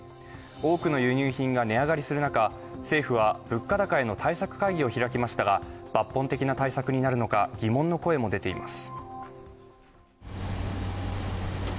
多くの輸入品が値上がりする中、政府は物価高への対策会議を開きましたが抜本的な対策になるのか疑問の声も出ています。